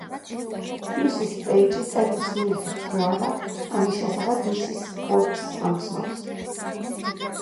მისის პეიჯი წერილს მიიღებს თუ არა, ამის შესახებ მისის ფორდს ამცნობს.